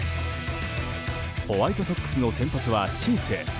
ホワイトソックスの先発はシース。